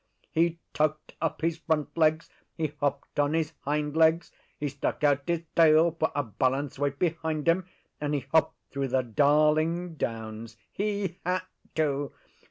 He tucked up his front legs; he hopped on his hind legs; he stuck out his tail for a balance weight behind him; and he hopped through the Darling Downs. He had to!